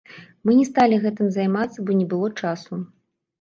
Мы не сталі гэтым займацца, бо не было часу.